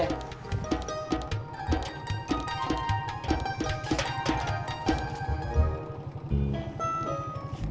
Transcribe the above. pakai helm dulu pak